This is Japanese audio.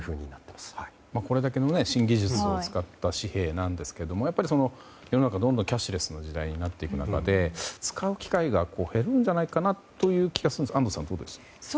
これだけの新技術を使った紙幣なんですけど世の中、どんどんキャッシュレスの時代になっていく中で使う機会が減るんじゃないかという気がするんですが安藤さんはどうですか。